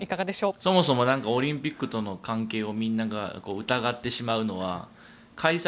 そもそもオリンピックとの関係をみんなが疑ってしまうのは開催